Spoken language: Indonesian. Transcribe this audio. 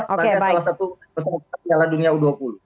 sebagai salah satu peserta piala dunia u dua puluh